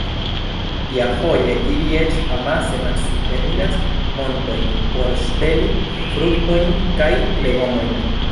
Iafoje ili eĉ amase malsupreniras montojn por ŝteli fruktojn kaj legomojn.